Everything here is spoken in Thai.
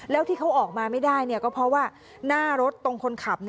แล้วที่เขาออกมาไม่ได้ก็เพราะว่าหน้ารถตรงคนขับ